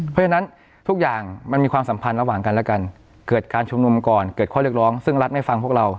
เพราะฉะนั้นทุกอย่างมันมีความสัมพันธ์ระหว่างกันและกันเกิดการชุมนุมก่อนเกิดข้อเรียกร้องซึ่งรัฐไม่ฟังพวกเรา